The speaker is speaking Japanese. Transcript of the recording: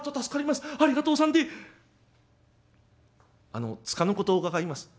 あのつかぬことを伺います。